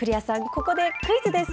ここでクイズです！